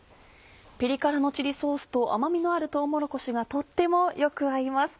ピリ辛のチリソースと甘みのあるとうもろこしがとってもよく合います。